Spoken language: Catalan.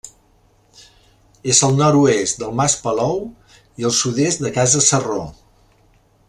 És al nord-oest del Mas Palou i al sud-est de Casa Sarró.